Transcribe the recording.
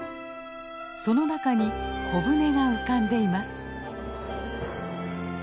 その中に小舟が浮かんでいます。